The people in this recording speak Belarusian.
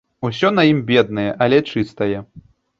Усё на ім беднае, але чыстае.